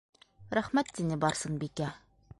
Рәхмәт, - тине Барсынбикә.